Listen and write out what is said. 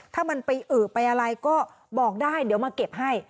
ถ้ามันไปอือไปอะไรก็บอกได้เดี๋ยวมาเก็บให้